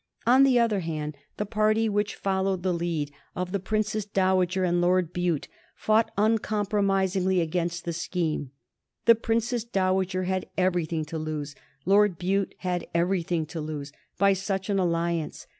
On the other hand, the party which followed the lead of the Princess Dowager and Lord Bute fought uncompromisingly against the scheme. The Princess Dowager had everything to lose, Lord Bute had everything to lose, by such an alliance.